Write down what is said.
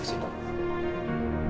terima kasih pak